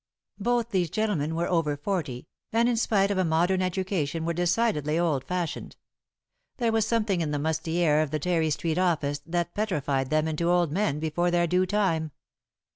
Both these gentlemen were over forty, and in spite of a modern education were decidedly old fashioned. There was something in the musty air of the Terry Street office that petrified them into old men before their due time.